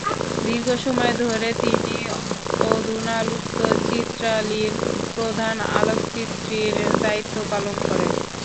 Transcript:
দীর্ঘ সময় ধরে তিনি অধুনালুপ্ত চিত্রালীর প্রধান আলোকচিত্রীর দায়িত্ব পালন করেন।